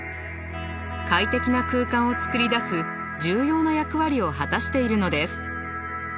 快適な空間を作り出す重要な役割を果たしているのです。